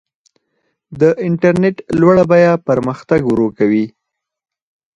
د انټرنیټ لوړه بیه پرمختګ ورو کوي.